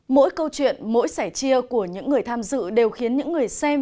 mỗi câu chuyện mỗi sẻ chia của những người tham dự đều khiến những người xem